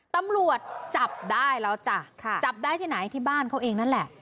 ตำรวจจับได้แล้วจ้ะจับได้ที่ไหนที่บ้านเขาเองนั่นแหละ